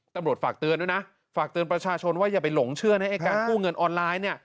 ตำรวจฝากเตือนด้วยนะ